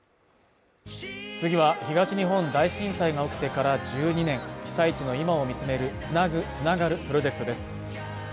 次は、東日本大震災が起きてから１２年、被災地の今を見つめる「つなぐ、つながるプロジェクト」です。